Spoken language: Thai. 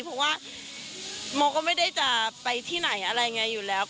เพราะว่าโมก็ไม่ได้จะไปที่ไหนอะไรไงอยู่แล้ว